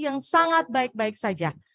yang sangat baik baik saja